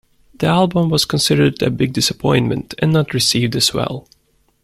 The album was considered a "big disappointment" and not received as well.